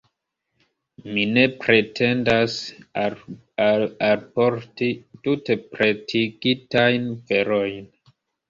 Mi ne pretendas alporti tute pretigitajn verojn.